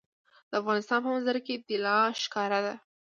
د افغانستان په منظره کې طلا ښکاره ده.